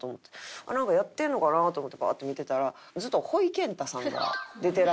なんかやってるのかなと思ってバーッと見てたらずっとほいけんたさんが出てらして。